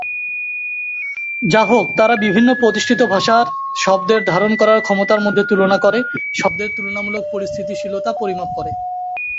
যাহোক, তারা বিভিন্ন প্রতিষ্ঠিত ভাষার শব্দের ধারণ করার ক্ষমতার মধ্যে তুলনা করে, শব্দের তুলনামূলক স্থিতিশীলতা পরিমাপ করেন।